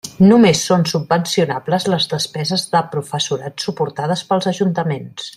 Només són subvencionables les despeses de professorat suportades pels ajuntaments.